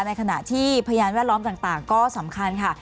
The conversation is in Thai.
ในขณะที่พยานแวดล้อมต่างก็สำคัญค่ะ